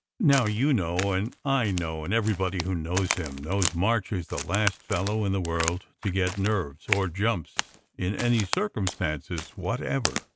Now you know, and I know, and everybody who knows him knows March is the last fellow in the world to get nerves or jumps in any cir cumstances whatever.